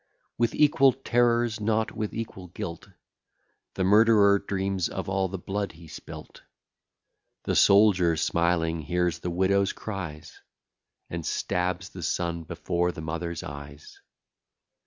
With equal terrors, not with equal guilt, The murderer dreams of all the blood he spilt. The soldier smiling hears the widow's cries, And stabs the son before the mother's eyes.